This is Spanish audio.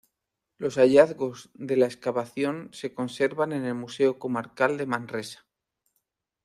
Los hallazgos de la excavación se conservan en el Museo Comarcal de Manresa.